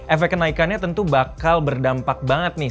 efek kenaikannya tentu bakal berdampak banget nih